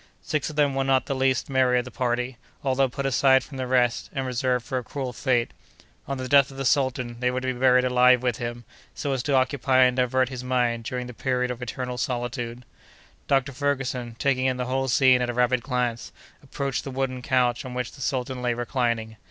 Six of them were not the least merry of the party, although put aside from the rest, and reserved for a cruel fate. On the death of the sultan, they were to be buried alive with him, so as to occupy and divert his mind during the period of eternal solitude. Dr. Ferguson, taking in the whole scene at a rapid glance, approached the wooden couch on which the sultan lay reclining.